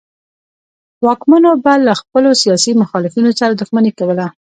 واکمنو به له خپلو سیاسي مخالفینو سره دښمني کوله.